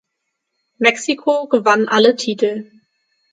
Mexiko gewann alle Titel.